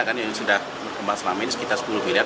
kan ini sudah umur sepuluh miliar